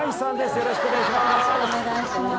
よろしくお願いします。